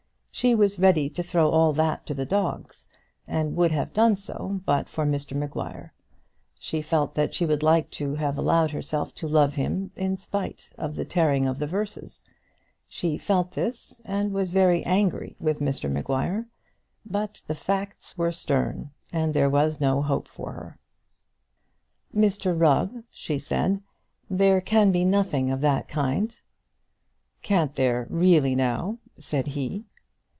She was ready to throw all that to the dogs, and would have done so but for Mr Maguire. She felt that she would like to have allowed herself to love him in spite of the tearing of the verses. She felt this, and was very angry with Mr Maguire. But the facts were stern, and there was no hope for her. "Mr Rubb," she said, "there can be nothing of that kind." "Can't there really, now?" said he.